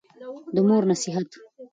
د مور نصېحت